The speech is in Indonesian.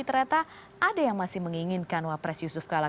ternyata ada yang masih menginginkan wapres yusuf kala